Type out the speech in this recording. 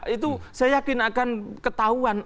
itu saya yakin akan ketahuan